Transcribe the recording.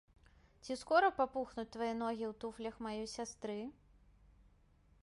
Ці скора папухнуць твае ногі ў туфлях маёй сястры?